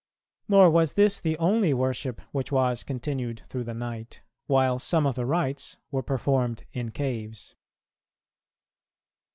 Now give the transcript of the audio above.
Nor was this the only worship which was continued through the night; while some of the rites were performed in caves.